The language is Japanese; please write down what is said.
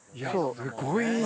すごいね。